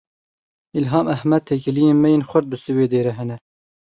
Îlham Ehmed Têkiliyên me yên xurt bi Swêdê re hene.